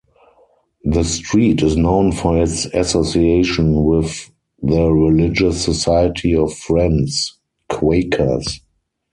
The street is known for its association with the Religious Society of Friends ("Quakers").